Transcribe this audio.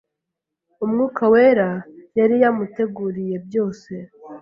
Umwuka wera yari yamuteguriye byose,